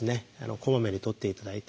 こまめにとっていただいて。